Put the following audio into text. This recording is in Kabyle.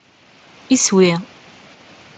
Iswi!